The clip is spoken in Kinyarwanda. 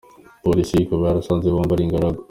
Polisi ikaba yarasanze bombi ari ingaragu.